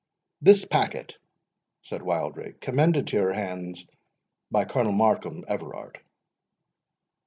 "This packet," said Wildrake, "commended to your hands by Colonel Markham Everard."